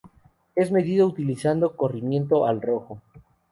Es medido utilizando Corrimiento al rojo.